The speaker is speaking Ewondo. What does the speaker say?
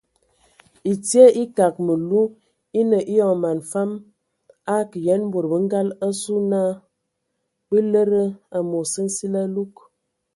Ɛtie ekag məlu eine eyɔŋ man fam akə yen bod bə ngal asu na bə lede amos nsili alug.